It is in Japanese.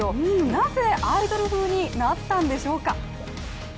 なぜアイドル風になったんでしょうか。